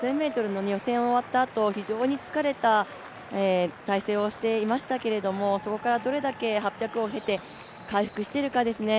５０００ｍの予選が終わったあと非常に疲れた体勢をしていましたけれども、そこからどれだけ８００を経て、回復しているかですね。